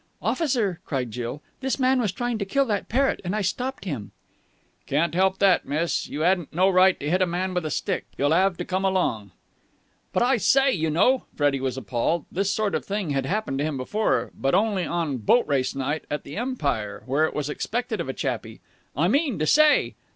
"Officer," cried Jill, "this man was trying to kill that parrot and I stopped him...." "Can't help that, miss. You 'adn't no right to hit a man with a stick. You'll 'ave to come along." "But, I say, you know!" Freddie was appalled. This sort of thing had happened to him before, but only on Boat Race Night at the Empire, where it was expected of a chappie. "I mean to say!"